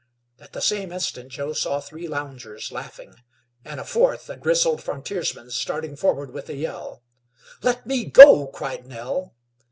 At the same instant Joe saw three loungers laughing, and a fourth, the grizzled frontiersman, starting forward with a yell. "Let me go!" cried Nell.